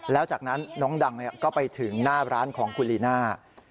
แล้วจากนั้นน้องดังก็ไปถึงหน้าร้านของคุณลีน่า